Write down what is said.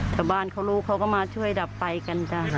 ชาวบ้านเขารู้เขาก็มาช่วยดับไฟกันจ้ะ